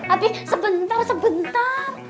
abis sebentar sebentar